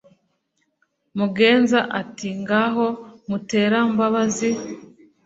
Mugenza ati"ngaho muterambabazi